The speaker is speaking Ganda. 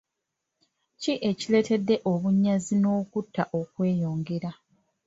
Ki ekireetedde obunyazi n'okutta okweyongera?